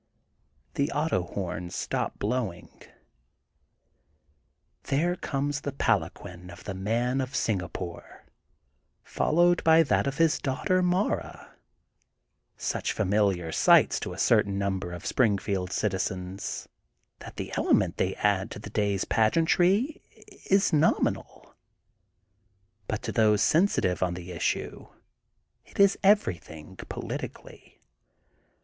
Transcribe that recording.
The auto horns stop blowing. There comes the palanquin of the Man of Singapore, followed by that of his daughter, Mara :— such familiar sights to a certain num 204 THE GOLDEN BOOK OF SPRINGFIELD l>er of Springfield citizens, that the element they add to the day's pageantry is nominal, but to those sensitive on the issue it is every thing politically.